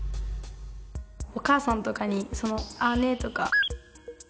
お母さんとかにその「あね」とか。